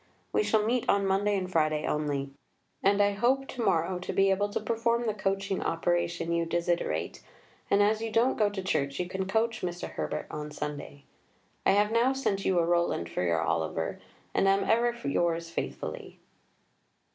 We shall meet on Monday and Friday only. The Sanitary arguing goes on on both these days, and I hope to morrow to be able to perform the coaching operation you desiderate, and as you don't go to church you can coach Mr. Herbert on Sunday. I have now sent you a Roland for your Oliver, and am ever yours faithfully."